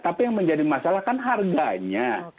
tapi yang menjadi masalah kan harganya